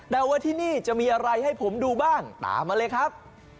แต่ว่าที่นี่จะมีอะไรให้ผมดูบ้างตามมาเลยครับ